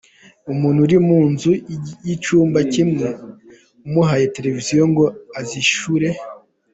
Umuntu ari mu nzu y’icyumba kimwe, umuhaye Televiziyo ngo azishyure!”.